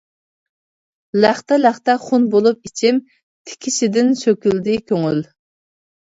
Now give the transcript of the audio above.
لەختە-لەختە خۇن بولۇپ ئىچىم، تىكىشىدىن سۆكۈلدى كۆڭۈل.